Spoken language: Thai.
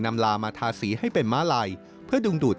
นำลามาทาสีให้เป็นม้าล่ายเพื่อดุล